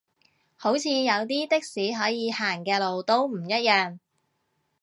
好似有啲的士可以行嘅路都唔一樣